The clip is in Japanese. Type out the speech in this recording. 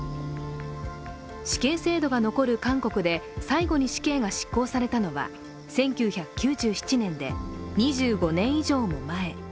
死刑制度が残る韓国で最後に死刑が執行されたのは１９９７年で１９９７年で、２５年以上も前。